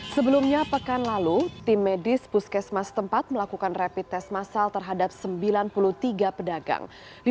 sebelumnya pekan lalu tim medis puskesmas tempat melakukan rapid test masal terhadap sembilan puluh tiga pedagang